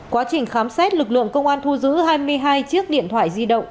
quá trình khám xét lực lượng công an thu giữ hai mươi hai chiếc điện thoại di động